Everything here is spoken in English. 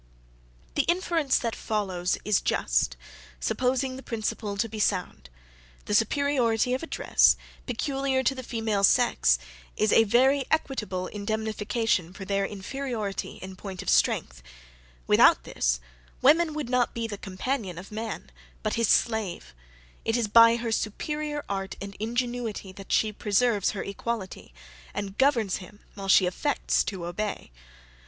The inference that follows is just, supposing the principle to be sound: "The superiority of address, peculiar to the female sex, is a very equitable indemnification for their inferiority in point of strength: without this, woman would not be the companion of man; but his slave: it is by her superiour art and ingenuity that she preserves her equality, and governs him while she affects to obey.